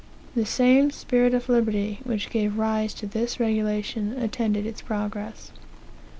The same spirit of liberty which gave rise to this regulation attended its progress.